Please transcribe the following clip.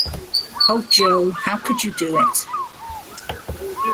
O Jo, how could you do it?